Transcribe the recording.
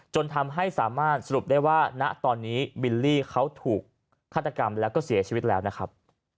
จนทำให้สามารถสรุปได้ว่าณตอนนี้บิลลี่เขาถูกฆาตกรรมแล้วก็เสียชีวิตแล้วนะครับ